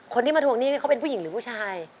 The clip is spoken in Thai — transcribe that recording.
คนที่มาทวงหนี้เขาเป็นผู้หญิงหรือผู้ชาย